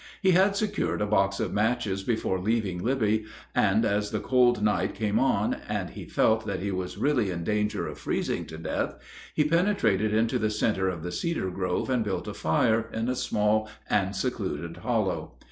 He had secured a box of matches before leaving Libby; and as the cold night came on and he felt that he was really in danger of freezing to death, he penetrated into the center of the cedar grove and built a fire in a small and secluded hollow.